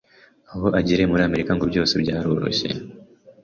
Aho agereye muri Amerika ngo byose byaroroshye